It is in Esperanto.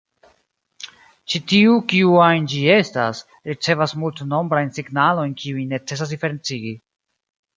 Ĉi tiu, kiu ajn ĝi estas, ricevas multnombrajn signalojn kiujn necesas diferencigi.